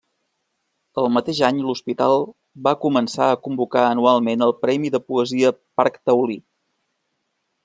El mateix any l'Hospital va començar a convocar anualment el Premi de Poesia Parc Taulí.